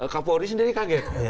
kapolri sendiri kaget